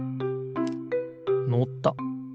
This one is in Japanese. のった。